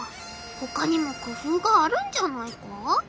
ほかにもくふうがあるんじゃないか？